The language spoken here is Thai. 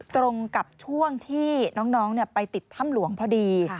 ตรงกับช่วงที่น้องไปติดถ้ำหลวงพอดี